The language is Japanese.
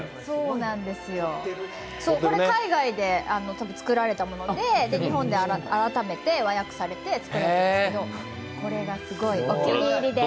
これ海外で作られたもので日本で改めて和訳されて作られたんですけどこれがすごいお気に入りです。